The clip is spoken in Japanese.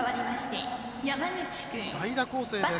代打攻勢です。